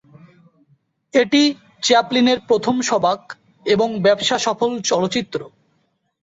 এটি চ্যাপলিনের প্রথম সবাক এবং ব্যবসাসফল চলচ্চিত্র।